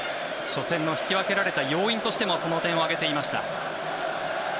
初戦の引き分けられた要因としてその点を挙げていました。